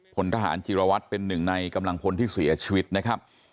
พลทหารจิรวัตรเป็นหนึ่งในกำลังพลที่เสียชีวิตนะครับ